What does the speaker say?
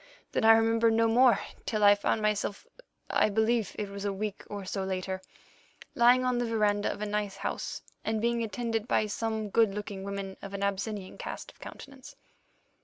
Then I remember no more till I found myself—I believe it was a week or so later—lying on the verandah of a nice house, and being attended by some good looking women of an Abyssinian cast of countenance."